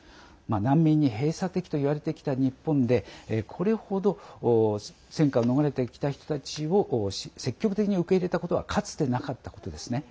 難民に閉鎖的といわれてきた日本でこれほど戦火を逃れたきた人たちを積極的に受け入れたことはかつてなかったことですね。